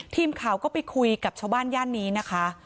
ทีมข่าวก็ไปคุยกับชาวบ้านย่านนี้นะคะ